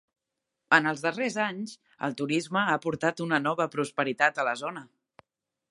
En els darrers anys, el turisme ha aportat una nova prosperitat a la zona.